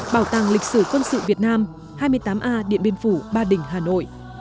bảo tàng lịch sử quân sự việt nam hai mươi tám a điện biên phủ ba đình hà nội